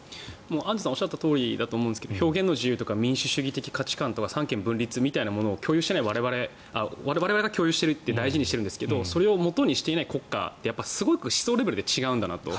アンジュさんがおっしゃったとおりだと思いますが表現の自由とか民主主義的価値観とか三権分立というものを我々が共有しているって大事にしているんですがそれをもとにしていない国家ってすごい思想レベルが違うんだなと。